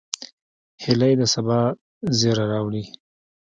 هیلۍ د سبا زیری راوړي